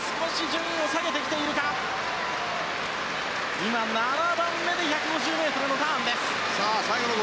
白井、７番目で１５０ｍのターンでした。